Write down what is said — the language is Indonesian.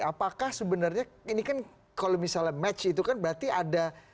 apakah sebenarnya ini kan kalau misalnya match itu kan berarti ada